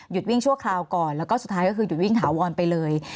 วิ่งชั่วคราวก่อนแล้วก็สุดท้ายก็คือหยุดวิ่งถาวรไปเลย